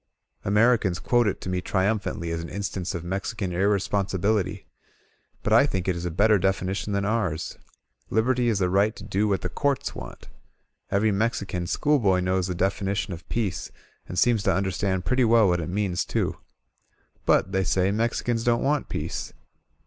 Americans quote it to me triiunph aiitly as an instance of Mexican irresponsibility. But I think it is a better definition than ours — ^Liberty is the right to do what the Courts want. Every Mexican schoolboy knows the definition of peace and seems to understand pretty well what it means, too. But, they say, Mexicans don't want peace.